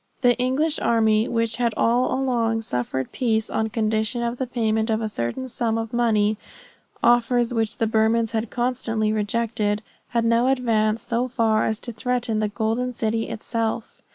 The English army, which had all along offered peace on condition of the payment of a certain sum of money, offers which the Burmans had constantly rejected, had now advanced so far as to threaten the golden city itself.